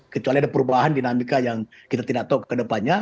kecuali ada perubahan dinamika yang kita tidak tahu ke depannya